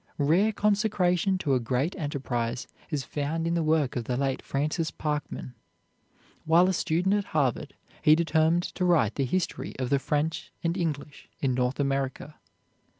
Rare consecration to a great enterprise is found in the work of the late Francis Parkman. While a student at Harvard he determined to write the history of the French and English in North America.